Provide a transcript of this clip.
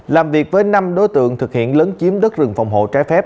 làm việc với năm đối tượng thực hiện lấn chiếm đất rừng phòng hộ trái phép